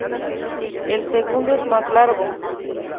El segundo es el más largo.